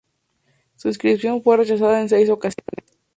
Su inscripción fue rechazada en seis ocasiones.